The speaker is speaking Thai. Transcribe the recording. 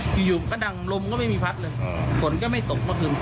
อยู่ก็ดังลมก็ไม่มีพัดเลยฝนก็ไม่ตกเมื่อคืน